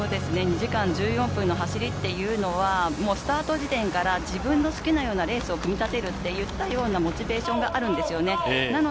２時間１４分の走りっていうのはスタート時点から自分の好きなようなレースを組み立てるっていったようなモチベーションがあるんですよね。